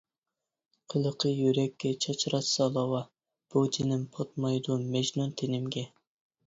قىلىقى يۈرەككە چاچراتسا لاۋا، بۇ جېنىم پاتمايدۇ مەجنۇن تېنىمگە.